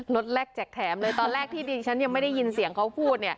รถแรกแจกแถมเลยตอนแรกที่ดิฉันยังไม่ได้ยินเสียงเขาพูด